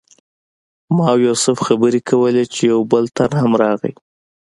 ما او یوسف خبرې کولې چې یو بل تن هم راغی.